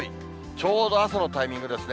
ちょうど朝のタイミングですね。